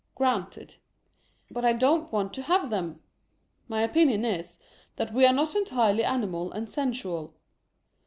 Granted. But I don't want to have them! My opinion is, that we are not entirely animal and sensual.